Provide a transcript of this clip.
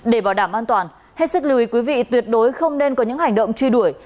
để bảo đảm an toàn hết sức lưu ý quý vị tuyệt đối không nên có những hành động truy đuổi